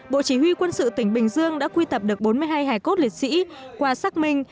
bộ chỉ huy quân sự tỉnh bình dương đã quy tập được bốn mươi hai hải cốt liệt sĩ qua xác minh